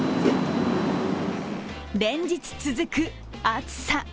連日続く暑さ。